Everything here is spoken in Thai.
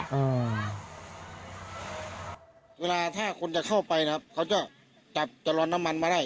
เวลาถ้าคนจะเข้าไปนะครับเขาจะจับจรอนน้ำมันมาได้